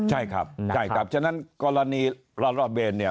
ใช่ครับฉะนั้นกรณีละละเบน